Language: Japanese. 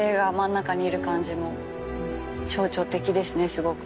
すごく。